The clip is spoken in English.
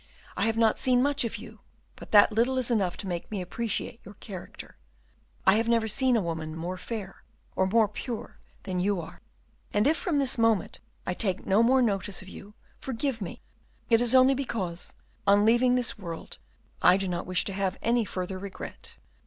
I have not seen much of you, but that little is enough to make me appreciate your character. I have never seen a woman more fair or more pure than you are, and if from this moment I take no more notice of you, forgive me; it is only because, on leaving this world, I do not wish to have any further regret."